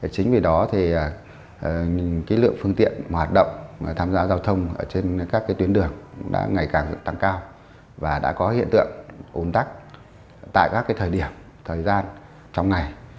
chính vì đó lượng phương tiện hoạt động tham gia giao thông trên các tuyến đường đã ngày càng tăng cao và đã có hiện tượng ồn tắc tại các thời điểm thời gian trong ngày